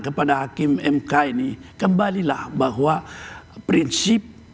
kepada hakim mk ini kembalilah bahwa prinsip